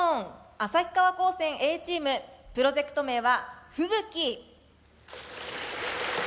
旭川高専Ａチームプロジェクト名は「吹雪」。